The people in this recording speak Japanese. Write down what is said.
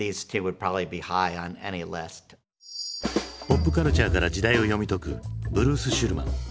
ポップカルチャーから時代を読み解くブルース・シュルマン。